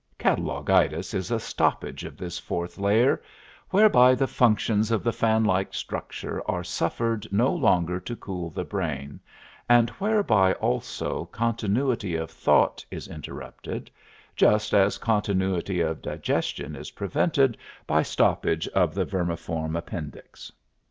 Catalogitis is a stoppage of this fourth layer, whereby the functions of the fanlike structure are suffered no longer to cool the brain, and whereby also continuity of thought is interrupted, just as continuity of digestion is prevented by stoppage of the vermiform appendix.